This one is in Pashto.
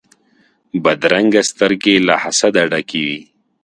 بدرنګه سترګې له حسده ډکې وي